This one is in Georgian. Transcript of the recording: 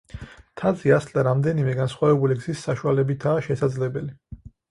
მთაზე ასვლა რამდენიმე განსხვავებული გზის საშუალებითაა შესაძლებელი.